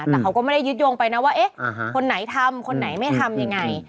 แต่เขาก็ไม่ได้ยึดโยงไปนะว่าเอ๊ะคนไหนทำคนไหนไม่ทำยังไง